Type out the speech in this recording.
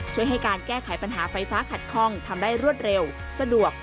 ช่วยให้การแก้ไขปัญหาไฟฟ้าขัดคล่องทำได้รวดเร็วสะดวก